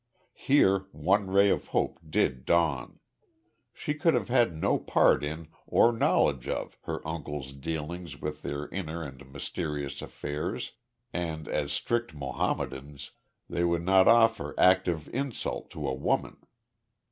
Here one ray of hope did dawn. She could have had no part in, or knowledge of, her uncle's dealings with their inner and mysterious affairs, and as strict Mahomedans, they would not offer active insult to a woman.